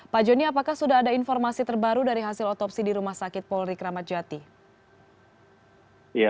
pak joni apakah sudah ada informasi terbaru dari hasil otopsi di rumah sakit polri kramat jati